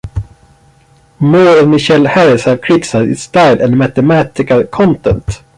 Moore and Michael Harris have criticized its style and mathematical content.